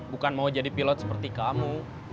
bukan mau jadi pilot seperti kamu